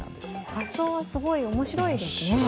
発想はすごい面白いですね。